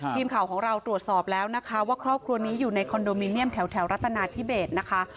ทีมข่าวของเราตรวจสอบแล้วนะคะว่าครอบครัวนี้อยู่ในคอนโดมิเนียมแถวรัฐนาธิเบสนะคะ